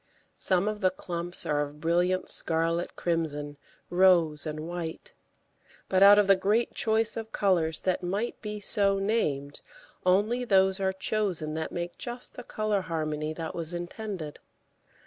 Some of the clumps are of brilliant scarlet crimson, rose and white, but out of the great choice of colours that might be so named only those are chosen that make just the colour harmony that was intended.